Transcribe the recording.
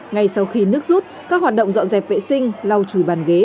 ngay sau khi nước rút các hoạt động dọn dẹp vệ sinh lau chùi bàn ghế